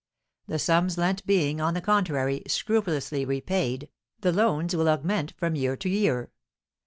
The sums lent being, on the contrary, scrupulously repaid, the loans will augment from year to year.